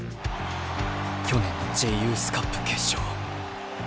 去年のＪユースカップ決勝。